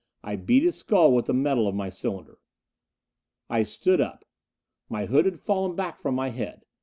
I beat his skull with the metal of my cylinder. I stood up. My hood had fallen back from my head.